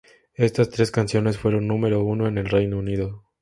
Estas tres canciones fueron número uno en el Reino Unido.